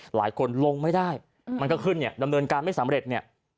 หลายคนลงไม่ได้มันก็ขึ้นเนี่ยดำเนินการไม่สำเร็จเนี่ย